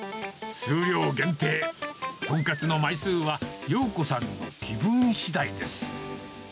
数量限定、豚カツの枚数は、洋子さんの気分しだいです。